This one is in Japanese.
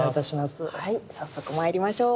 早速参りましょう。